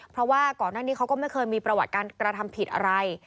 เพราะว่าก่อนหน้านี้เขาก็ไม่เคยมีประวัติการกระทำผิดอะไร